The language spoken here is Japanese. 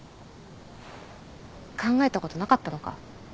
考えたことなかったのか。